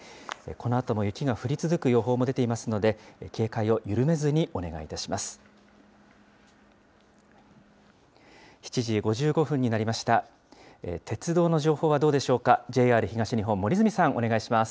このあとも雪が降り続く予報も出ていますので、警戒を緩めずにお願いいたします。